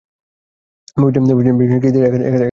ভেবেছেন কী দিন একা থাকলে আর থাকতে চাইবে না।